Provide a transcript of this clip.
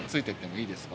いいですか？